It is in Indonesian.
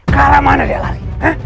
ke arah mana dia lari